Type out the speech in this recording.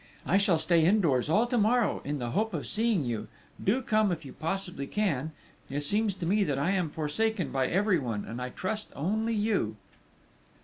_ _I shall stay indoors all to morrow in the hope of seeing you; do come if you possibly can. It seems to me that I am forsaken by everyone, and I trust only you...."